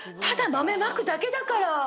ただ豆まくだけだから。